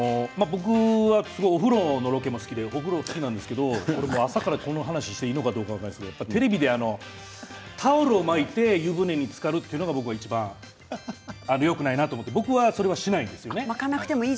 僕はお風呂のロケも好きでお風呂が好きなんですけれど朝から話していいか分かりませんがテレビでタオルを巻いて湯船につかるというのが、いちばんよくないなと思って僕はそれはしないんですよね。